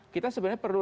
kita sebenarnya perlu